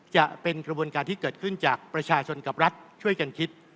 จะเป็นกระบวนการที่เกิดขึ้นจากประชาชนกับรัฐช่วยกันคิด